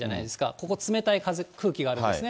ここ、冷たい空気があるんですね。